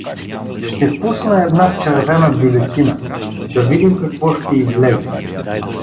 Ще пусна една червена бюлетина, да видим какво ще излезе!